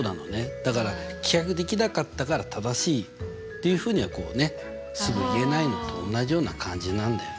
だから棄却できなかったから正しいというふうにはこうねすぐ言えないのと同じような感じなんだよね。